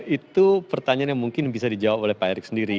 itu pertanyaan yang mungkin bisa dijawab oleh pak erick sendiri